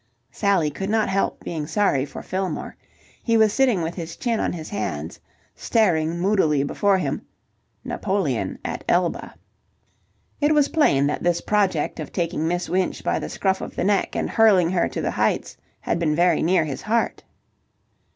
Sally could not help being sorry for Fillmore. He was sitting with his chin on his hands, staring moodily before him Napoleon at Elba. It was plain that this project of taking Miss Winch by the scruff of the neck and hurling her to the heights had been very near his heart.